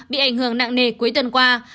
bị ảnh hưởng nặng nề cuối tuần qua